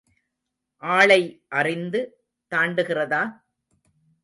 ஆளை அறிந்து தாண்டுகிறதா?